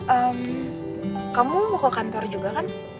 eh kamu mau ke kantor juga kan